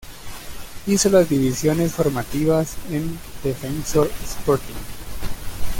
Hizo las divisiones formativas en Defensor Sporting.